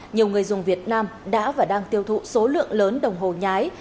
nhiều người dùng việt nam đã và đang tiêu thụ số lượng lớn đồng hồ nhái